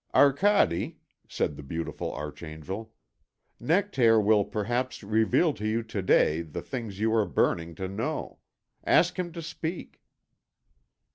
"Arcade," said the beautiful Archangel, "Nectaire will perhaps reveal to you to day the things you are burning to know. Ask him to speak."